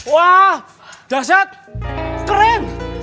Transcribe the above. wah dasar keren